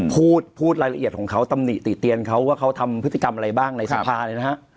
พูดพูดรายละเอียดของเขาตำหนิติเตียนเขาว่าเขาทำพฤติกรรมอะไรบ้างในสภาเลยนะฮะ